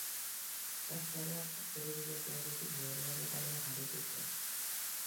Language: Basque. Gaztaroan aktore bilakatu aurretik modelo lanetan ere jardun zuen.